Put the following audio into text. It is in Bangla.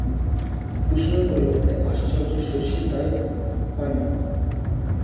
কুসুমের পরিবর্তনে আশ্চর্য শশী তাই হয় না।